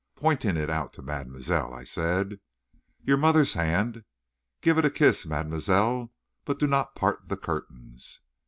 Pointing it out to mademoiselle, I said: "Your mother's hand. Give it a kiss, mademoiselle, but do not part the curtains."